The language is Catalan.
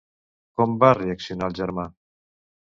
Com va reaccionar el germà?